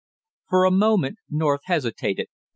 For a moment North hesitated.